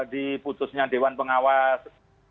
di putusnya dewan pengawas